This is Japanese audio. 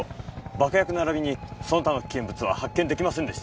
爆薬並びにその他の危険物は発見出来ませんでした。